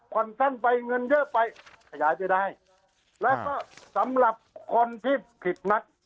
ท่านไปเงินเยอะไปขยายไปได้แล้วก็สำหรับคนที่ผิดนัก